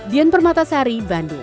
dian permatasari bandung